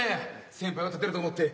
先輩を立てると思って。